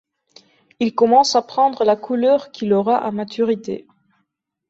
Il commence à prendre la couleur qu'il aura à maturité.